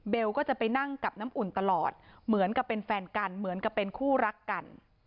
ก็จะไปนั่งกับน้ำอุ่นตลอดเหมือนกับเป็นแฟนกันเหมือนกับเป็นคู่รักกัน